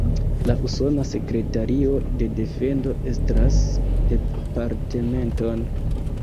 La Usona Sekretario de Defendo estras departementon.